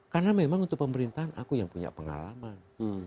karena memang untuk pemerintahan aku yang punya pengalaman